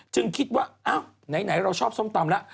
จึงคิดว่าไหนเราชอบส้มตำละ